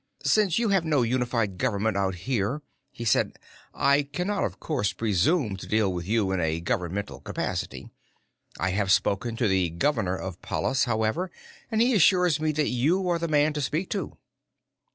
"Since you have no unified government out here," he said, "I cannot, of course, presume to deal with you in a governmental capacity. I have spoken to the Governor of Pallas, however, and he assures me that you are the man to speak to."